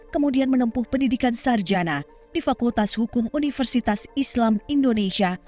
kemudian menempuh pendidikan sarjana di fakultas hukum universitas islam indonesia